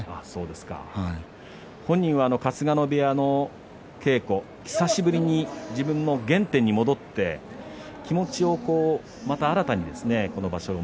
本人は春日野部屋の稽古久しぶりに自分の原点に戻って気持ちをまた新たにこの場所を